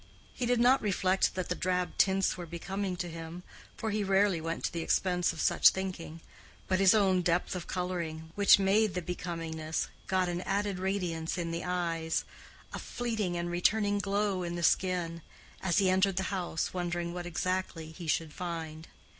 He did not reflect that the drab tints were becoming to him, for he rarely went to the expense of such thinking; but his own depth of coloring, which made the becomingness, got an added radiance in the eyes, a fleeting and returning glow in the skin, as he entered the house wondering what exactly he should find.